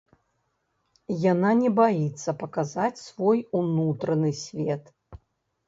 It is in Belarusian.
Яна не баіцца паказаць свой унутраны свет.